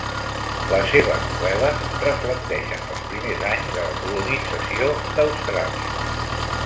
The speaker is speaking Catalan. Les seves novel·les reflecteixen els primers anys de la colonització d’Austràlia.